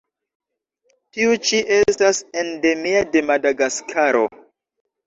Tiu ĉi estas endemia de Madagaskaro.